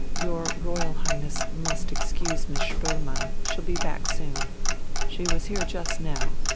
Your Royal Highness must excuse Miss Spoelmann.... She'll be back soon. She was here just now.